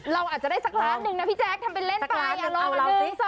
เราอาจจะได้๖ล้านหนึ่งนะพี่แจ๊กทำเป็นเล่นไป